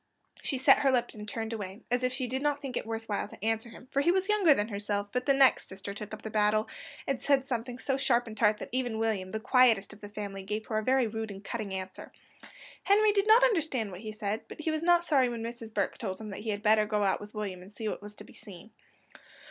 She set up her lip and turned away, as if she did not think it worth while to answer him, for he was younger than herself; but the next sister took up the battle, and said something so sharp and tart, that even William, the quietest of the family, gave her a very rude and cutting answer. Henry did not understand what he said, but he was not sorry when Mrs. Burke told him that he had better go out with William and see what was to be seen.